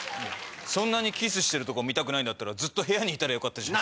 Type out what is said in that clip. そんなにキスしてるとこ見たくないんだったら部屋にいたらよかったじゃない。